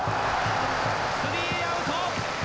スリーアウト！